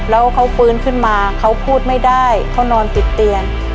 แล้วเขาฟื้นขึ้นมาเขาพูดไม่ได้เขานอนติดเตียง